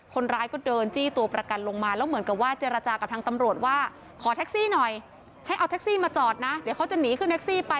คนร้ายก็เดินจี้ตัวประกันลงมาแล้วเหมือนกับว่าเจรจากับทางตำรวจว่าขอแท็กซี่หน่อยให้เอาแท็กซี่มาจอดนะเดี๋ยวเขาจะหนีขึ้นแท็กซี่ไป